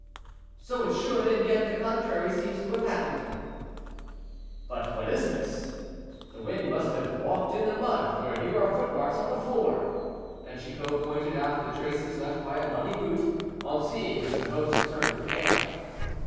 "So it should, and yet the contrary seems to have happened." "But what is this? The wind must have walked in the mud, for here are footmarks on the floor." And Chicot pointed out the traces left by a muddy boot, on seeing which the host turned pale.